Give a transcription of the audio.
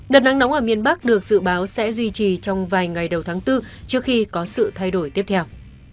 đợt nắng nóng ở miền bắc được dự báo sẽ duy trì trong vài ngày đầu tháng bốn trước khi có sự thay đổi tiếp theo